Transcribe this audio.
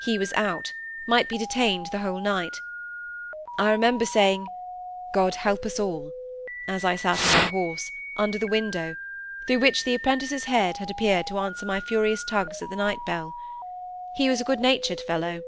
He was out, might be detained the whole night. I remember saying, "God help us all!" as I sate on my horse, under the window, through which the apprentice's head had appeared to answer my furious tugs at the night bell. He was a good natured fellow.